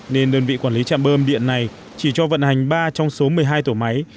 nên đơn vị quản lý chạm bơm điện này chỉ cho vận hành ba trong số một mươi hai tổ máy